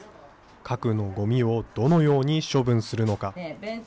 核のごみをどのように処分するのか。